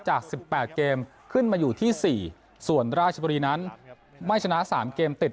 จาก๑๘เกมขึ้นมาอยู่ที่๔ส่วนราชบุรีนั้นไม่ชนะ๓เกมติด